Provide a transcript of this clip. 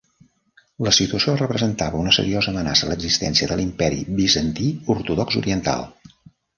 La situació representava una seriosa amenaça a l'existència de l'Imperi Bizantí Ortodox Oriental.